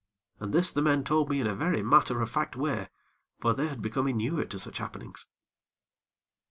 And this the men told me in a very matter of fact way; for they had become inured to such happenings.